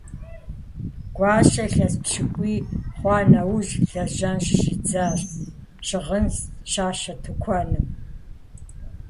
Гуащэ илъэс пщыкӏуий хъуа нэужь лэжьэн щыщӀидзащ щыгъын щащэ тыкуэным.